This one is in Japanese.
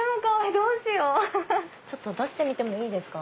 どうしよう？出してみてもいいですか？